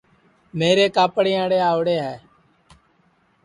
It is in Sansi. میرے کاپڑیئاڑے آؤرے ہے